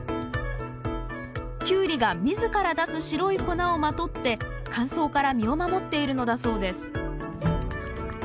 キュウリが自ら出す白い粉をまとって乾燥から身を守っているのだそうです。